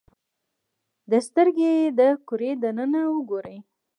د سترګې د کرې دننه وګورئ.